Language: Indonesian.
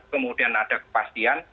kemudian ada kepastian